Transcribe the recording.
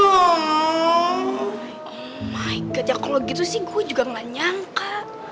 oh my god ya kalau gitu sih gue juga gak nyangka